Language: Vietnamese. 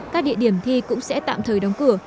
các địa điểm thi cũng sẽ tạm thời đóng cửa